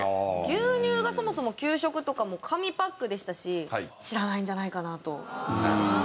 牛乳がそもそも給食とかも紙パックでしたし知らないんじゃないかなと。